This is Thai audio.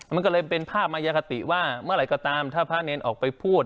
มันก็เลยเป็นภาพมายคติว่าเมื่อไหร่ก็ตามถ้าพระเนรออกไปพูด